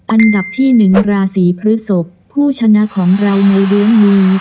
อันดับที่หนึ่งราศีพฤศกษ์ผู้ชนะของรายในเดือนนี้